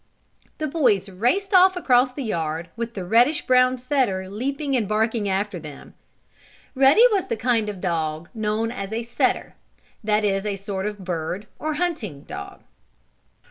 The boys raced off across the yard, with the reddish brown setter leaping and barking after them. Ruddy was the kind of a dog known as a "setter"; that is a sort of bird, or hunting, dog.